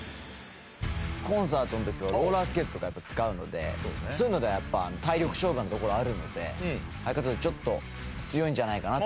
コンサートの時とかローラースケートとか使うのでそういうのではやっぱ体力勝負なところあるので肺活量ちょっと強いんじゃないかなと。